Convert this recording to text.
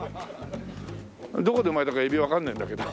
どこで生まれたか海老わかんないんだけど。